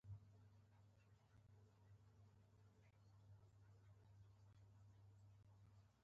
ایا زما مثانه به ښه شي؟